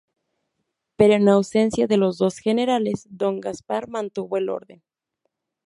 Pero en ausencia de los dos generales, don Gaspar mantuvo el orden.